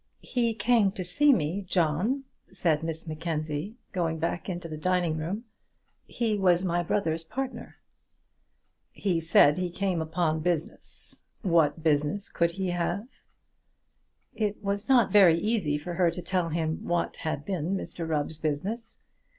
"He came to see me, John," said Miss Mackenzie, going back into the dining room. "He was my brother's partner." "He said he came upon business; what business could he have?" It was not very easy for her to tell him what had been Mr Rubb's business.